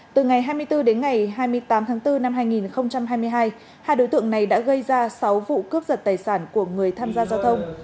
từ ngày hai mươi bốn đến ngày hai mươi tám tháng bốn năm hai nghìn hai mươi hai hai đối tượng này đã gây ra sáu vụ cướp giật tài sản của người tham gia giao thông